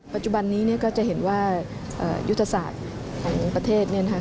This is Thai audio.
ปัจจุบันนี้ก็จะเห็นว่ายุทธศาสตร์ของประเทศเนี่ยนะคะ